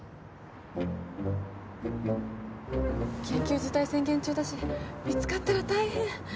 緊急事態宣言中だし見つかったら大変。